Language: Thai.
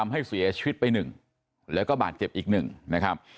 ให้เสียชีวิตไป๑แล้วก็บาดเจ็บอีกหนึ่งนะครับ